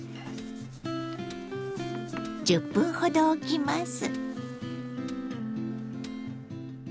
１０分ほどおきます。